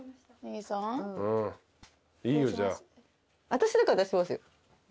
私だから出しますよ。